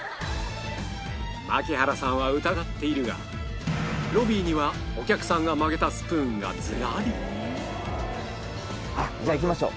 槙原さんは疑っているがロビーにはお客さんが曲げたスプーンがずらりじゃあ行きましょう。